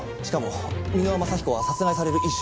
しかも箕輪雅彦は殺害される